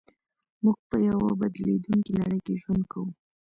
موږ په يوه بدلېدونکې نړۍ کې ژوند کوو.